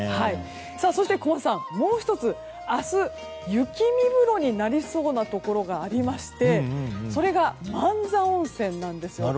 そして小松さん、もう１つ明日、雪見風呂になりそうなところがあってそれが万座温泉なんです。